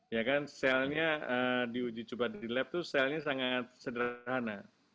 ya kan selnya di uji cepat di lab itu selnya sangat sederhana